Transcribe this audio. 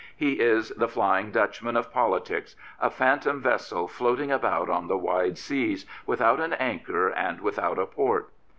He is the Flying Dutch man of politics — a phantom vessel floating about on the wide seas, without an anchor and without a port.